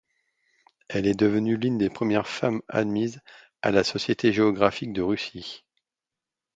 Elle est devenue l'une des premières femmes admises à la Société géographique de Russie.